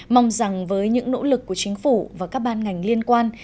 mong rằng với những nỗ lực của chính phủ và các ban ngành liên quan